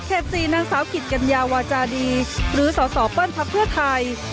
เขตสี่นางสาวกิจกัญญาวาจาดีหรือสาวสอเปิ้ลภักดิ์เพื่อไทย